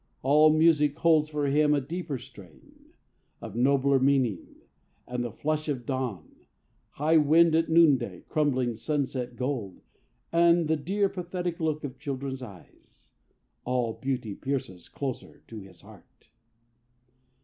All music holds for him a deeper strain Of nobler meaning, and the flush of dawn, High wind at noonday, crumbling sunset gold, And the dear pathetic look of children's eyes All beauty pierces closer to his heart.